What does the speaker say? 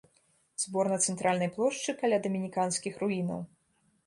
Збор на цэнтральнай плошчы каля дамініканскіх руінаў.